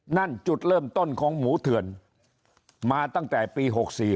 นั่นจุดเริ่มต้นของหมูเถื่อนมาตั้งแต่ปี๖๔